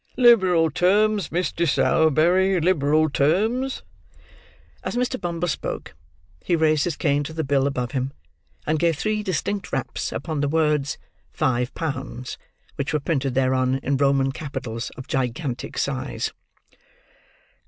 Liberal terms, Mr. Sowerberry, liberal terms?" As Mr. Bumble spoke, he raised his cane to the bill above him, and gave three distinct raps upon the words "five pounds": which were printed thereon in Roman capitals of gigantic size.